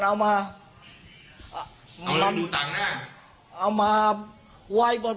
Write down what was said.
เอา๗๐๐๐ไปแล้ว๒๐๐ถูกวางแทน